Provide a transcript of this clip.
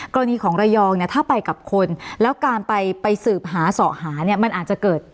กรณีของระยองเนี่ยถ้าไปกับคนแล้วการไปสืบหาสอหาเนี่ยมันอาจจะเกิด